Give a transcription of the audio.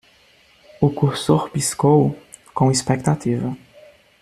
O cursor piscou? com expectativa.